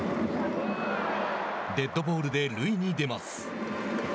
デッドボールで塁に出ます。